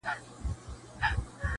ور آزاد به وي مزلونه -